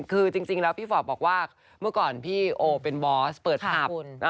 คือจริงแล้วพี่ฟอร์บบอกว่าเมื่อก่อนพี่โอเป็นบอสเปิดผับ